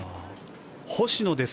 星野です。